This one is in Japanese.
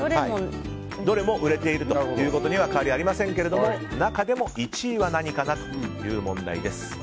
どれも売れているということには変わりありませんけれども中でも１位は何かなという問題です。